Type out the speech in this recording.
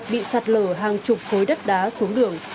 bị sạt lở hàng chục khối đất đá xuống đường